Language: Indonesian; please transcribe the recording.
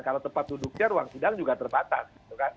kalau tempat duduknya ruang sidang juga terbatas